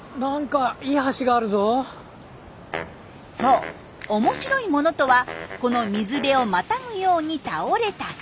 そう面白いものとはこの水辺をまたぐように倒れた木。